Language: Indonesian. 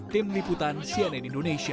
tim liputan cnn indonesia